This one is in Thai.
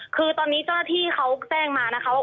คือตอนนี้เจ้าหน้าที่เขาแจ้งมานะคะว่า